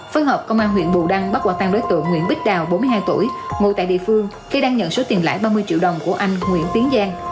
phân hợp công an huyện bù đăng bắt quạt tăng đối tượng nguyễn bích đào bốn mươi hai tuổi ngồi tại địa phương khi đăng nhận số tiền lãi ba mươi triệu đồng của anh nguyễn tiến giang